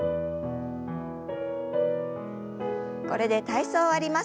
これで体操を終わります。